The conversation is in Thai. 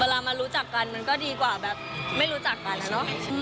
มารู้จักกันมันก็ดีกว่าแบบไม่รู้จักกันอะเนาะ